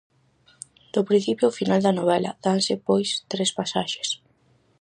Do principio ao final da novela, danse pois tres pasaxes.